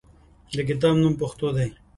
د کتاب نوم "پښتو" دی.